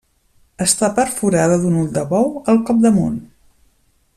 Està perforada d'un ull de bou al capdamunt.